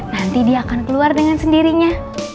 nanti dia akan keluar dengan sendirinya